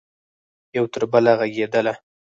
یو تربله ږغیدله